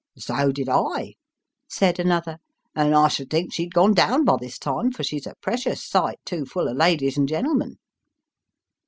" So did I," said another ;" and I should think she'd gone down by this time, for she's a precious sight too full of ladies and gen'lemen."